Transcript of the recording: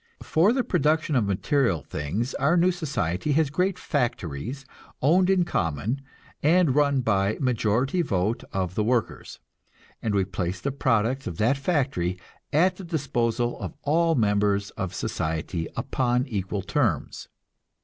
For the production of material things our new society has great factories owned in common, and run by majority vote of the workers, and we place the products of that factory at the disposal of all members of society upon equal terms.